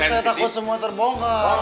saya takut semua terbongkar